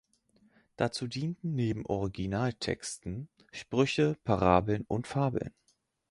Dazu dienten neben Originaltexten Sprüche, Parabeln oder Fabeln.